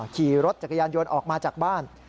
ขี่รถจักรยานยนต์ออกมาจากบ้าน